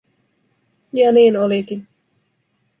Ja niin olikin.